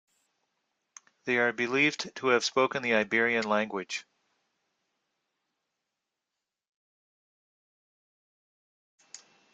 They are believed to have spoken the Iberian language.